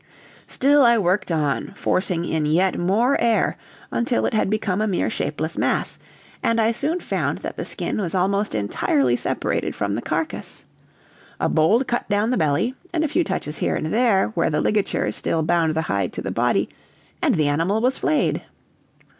Still I worked on, forcing in yet more air until it had become a mere shapeless mass, and I soon found that the skin was almost entirely separated from the carcass. A bold cut down the belly, and a few touches here and there where the ligatures still bound the hide to the body, and the animal was flayed.